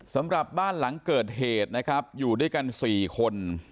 สำหรับบ้านหลังเกิดเหตุนะครับอยู่ด้วยกัน๔คน